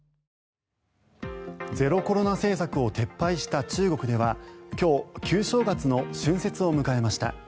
ゼロコロナ政策を撤廃した中国では今日旧正月の春節を迎えました。